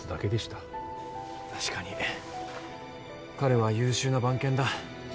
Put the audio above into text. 確かに彼は優秀な番犬だ。